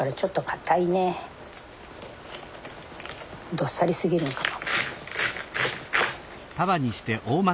どっさりすぎるのかも。